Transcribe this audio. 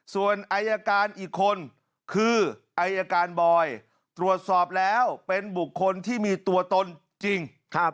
ส่วนอายการอีกคนคืออายการบอยตรวจสอบแล้วเป็นบุคคลที่มีตัวตนจริง